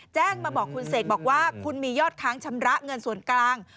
แจ้งมาบอกคุณเสกบอกว่าคุณมียอดค้างชำระเงินส่วนกลาง